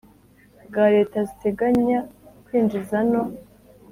bwa Leta ziteganya kwinjiza no